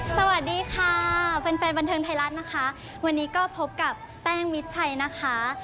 สวัสดีค่ะแฟนแฟนบันเทิงไทยรัฐนะคะวันนี้ก็พบกับแป้งมิดชัยนะคะ